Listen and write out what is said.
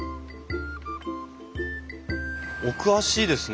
お詳しいですね。